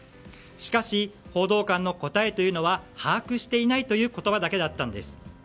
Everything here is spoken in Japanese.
しかし、報道官の答えは把握していないという言葉だけだったんです。